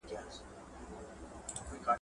یا د شپې یا به سبا بیرته پیدا سو `